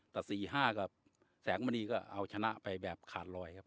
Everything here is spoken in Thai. แต่๔๕กับแสงมณีก็เอาชนะไปแบบขาดรอยครับ